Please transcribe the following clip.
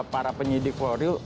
para penyidik for real